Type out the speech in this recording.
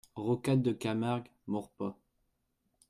Rocade de Camargue, Maurepas